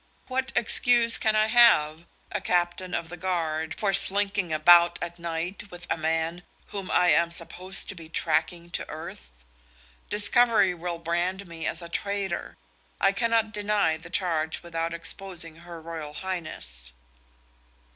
What excuse can I have, a captain of the guard, for slinking about at night with a man whom I am supposed to be tracking to earth? Discovery will brand me as a traitor. I cannot deny the charge without exposing Her Royal Highness."